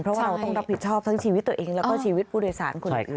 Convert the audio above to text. เพราะว่าเราต้องรับผิดชอบทั้งชีวิตตัวเองแล้วก็ชีวิตผู้โดยสารคนอื่น